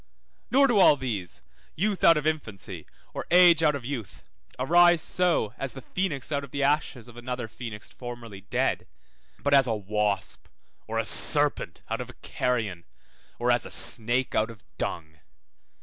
Nor do all these, youth out of infancy, or age out of youth, arise so, as the phoenix out of the ashes of another phoenix formerly dead, but as a wasp or a serpent out of a carrion, or as a snake out of dung.